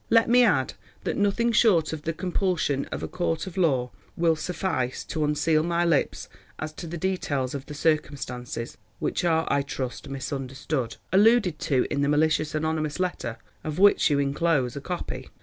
Let me add that nothing short of the compulsion of a court of law will suffice to unseal my lips as to the details of the circumstances (which are, I trust, misunderstood) alluded to in the malicious anonymous letter of which you inclose a copy."